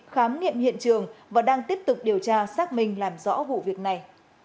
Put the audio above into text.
khám nghiệm hiện trường và đang tiếp tục điều tra xác minh làm rõ vụ việc này